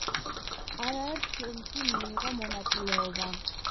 არაერთ ფილმში მიიღო მონაწილეობა.